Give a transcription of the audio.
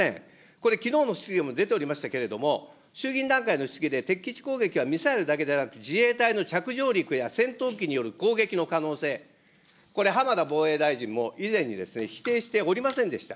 これ、きのうの質疑でも出ておりましたけれども、衆議院の質疑で敵基地攻撃はミサイルだけではなく、自衛隊の着上陸や戦闘機による攻撃の可能性、これ浜田防衛大臣も以前に否定しておりませんでした。